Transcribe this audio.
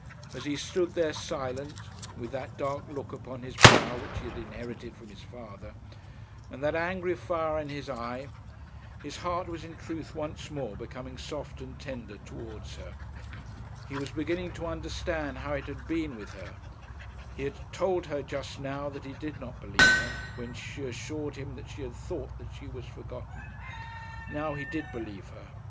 As he stood there silent, with that dark look upon his brow which he had inherited from his father, and that angry fire in his eye, his heart was in truth once more becoming soft and tender towards her. He was beginning to understand how it had been with her. He had told her, just now, that he did not believe her, when she assured him that she had thought that she was forgotten. Now he did believe her.